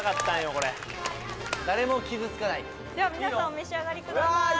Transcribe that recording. これ誰も傷つかないでは皆さんお召し上がりくださいわあ！